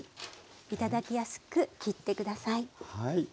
頂きやすく切って下さい。